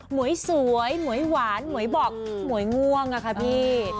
หวยสวยหมวยหวานหมวยบอกหมวยง่วงอะค่ะพี่